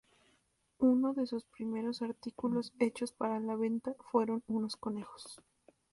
Uno de sus primeros artículos hechos para la venta fueron unos conejos.